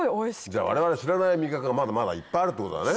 じゃ我々知らない味覚がまだまだいっぱいあるってことだね。